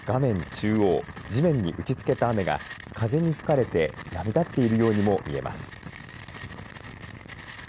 中央、地面に打ちつけた雨が風に吹かれて波立っているようにも見えます。